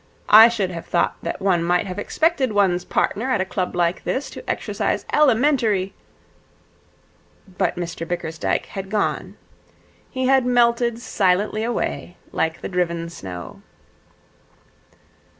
I should have thought that one might have expected one's partner at a club like this to exercise elementary ' But Mr Bickersdyke had gone. He had melted silently away like the driven snow.